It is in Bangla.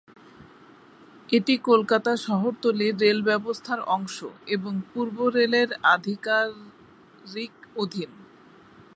এটি কলকাতা শহরতলির রেল ব্যবস্থার অংশ এবং পূর্ব রেলের আধিকারিক অধীন।